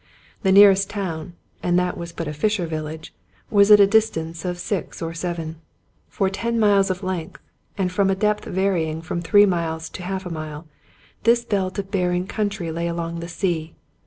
The nearest town, and that was but a fisher village, was at a distance of six or seven. For ten miles of length, and from a depth varying from three miles to half a mile, this belt of barren country lay along the sea.